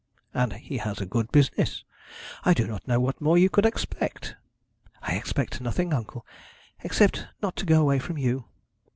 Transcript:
'And he has a good business. I do not know what more you could expect.' 'I expect nothing, uncle, except not to go away from you.'